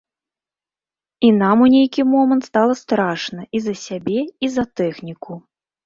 І нам у нейкі момант стала страшна і за сябе, і за тэхніку.